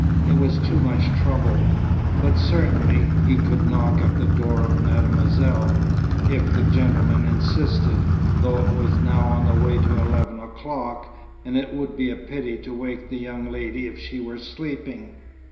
It was too much trouble. But certainly, he could knock at the door of Mademoiselle, if the gentlemen insisted, though it was now on the way to eleven o'clock, and it would be a pity to wake the young lady if she were sleeping.